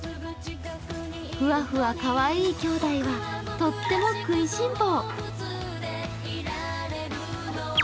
かわいいきょうだいはとっても食いしん坊。